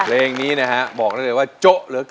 เพลงอะไรเขาบอกว่าโจ๊ะมาก